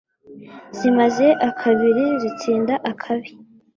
Zimaze akabiri zitsinda akabi.